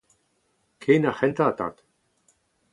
Ken ar c’hentañ Tad !